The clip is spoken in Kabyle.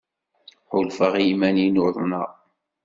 Ḥulfaɣ i yiman-inu uḍneɣ.